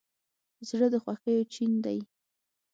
زړه د خوښیو چین دی.